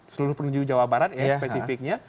seluruh penunjuk jawa barat ya spesifiknya